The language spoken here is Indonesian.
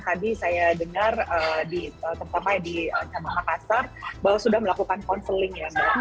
tadi saya dengar di kampung makassar bahwa sudah melakukan konseling